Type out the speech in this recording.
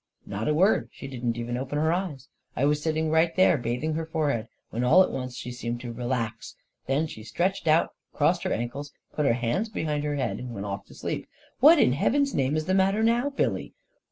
"" Not a word; she didn't even open her eyes, I was sitting right there bathing her forehead, when all at once she seemed to relax; then she stretched out and crossed her ankles and put her hands behind her head, and went off to sleep — what in heaven's name is the matter now, Billy ?